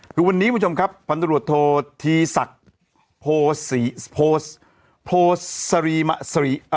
คือวันนี้คุณผู้ชมครับพันธุรกิจโทษทีศักดิ์โพศรีมศรี